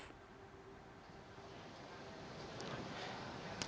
kira kira kapan akan dipanggil saksi kunci ini arief